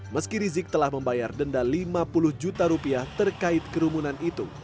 meski rizik telah membayar denda lima puluh juta rupiah terkait kerumunan itu